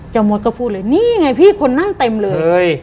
มดก็พูดเลยนี่ไงพี่คนนั่งเต็มเลย